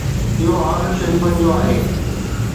اهو حال شريفن جو آهي.